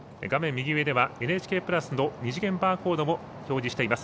右上では「ＮＨＫプラス」の二次元バーコードも表示しています。